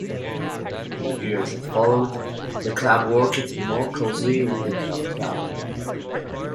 In the years that followed, the club worked more closely with the Youth club.